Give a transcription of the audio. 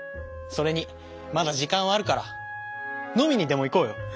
それにまだ時間はあるから飲みにでも行こうよ。